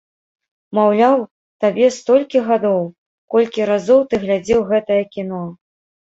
Маўляў, табе столькі гадоў, колькі разоў ты глядзеў гэтае кіно.